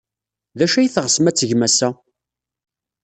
D acu ay teɣsem ad tgem ass-a?